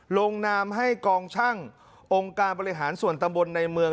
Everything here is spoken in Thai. ลงนามให้กองช่างองค์การบริหารส่วนตำบลในเมือง